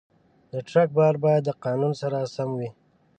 د ټرک بار باید د قانون سره سم وي.